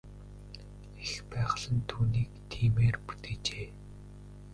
Эх байгаль нь түүнийг тиймээр бүтээжээ.